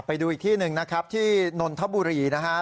ไปดูอีกที่หนึ่งนะครับที่นนทบุรีนะฮะ